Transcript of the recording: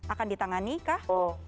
akan ditangani kah